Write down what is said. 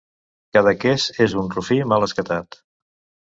Cadaqués és un rufí mal escatat.